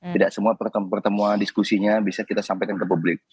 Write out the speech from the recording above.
tidak semua pertemuan pertemuan diskusinya bisa kita sampaikan ke publik